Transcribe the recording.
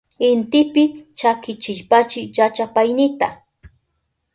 Intipi chakichipaychi llachapaynita.